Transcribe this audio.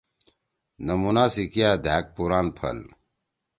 نمونا سی کیا دھأک پُوران پھل!